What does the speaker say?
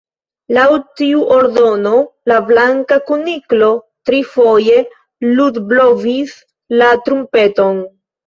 Laŭ tiu ordono, la Blanka Kuniklo trifoje ludblovis la trumpeton.